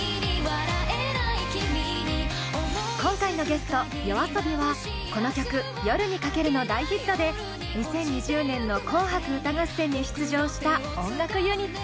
今回のゲストＹＯＡＳＯＢＩはこの曲「夜に駆ける」の大ヒットで２０２０年の「紅白歌合戦」に出場した音楽ユニット。